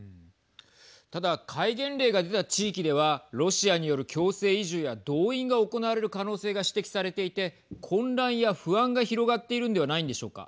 ただ、戒厳令が出た地域ではロシアによる強制移住や動員が行われる可能性が指摘されていて混乱や不安が広がっているんではないんでしょうか。